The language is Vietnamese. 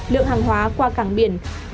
lượng hàng hóa qua cảng biển việt nam